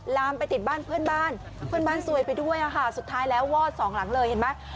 ลามไปติดบ้านเพื่อนบ้านเพื่อนบ้านซวยไปด้วยค่ะสุดท้ายแล้ววอดสองหลังเลยเห็นไหม